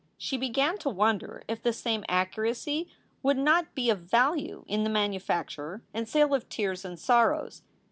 She began to wonder if the same accuracy would not be of value in the manufacture and sale of tears and sorrows.